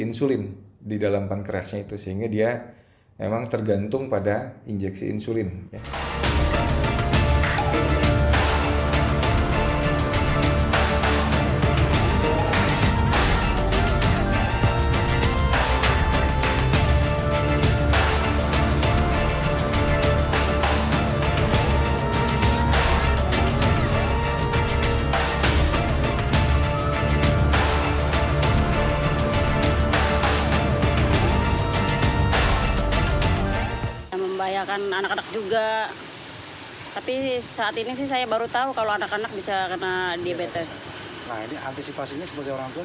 nah ini antisipasinya sebagai orang tua bagaimana menurut anda